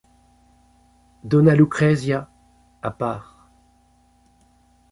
Dona lucrezia, à part.